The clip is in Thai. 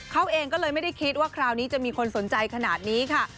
เขาเองก็เลยไม่ได้คิดว่าคราวนี้จะมีคนสนใจขนาดนี้ค่ะ